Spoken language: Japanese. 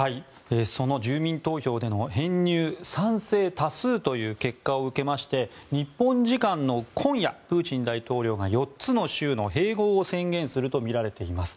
その住民投票での編入賛成多数という結果を受けまして日本時間の今夜プーチン大統領が４つの州の併合を宣言するとみられています。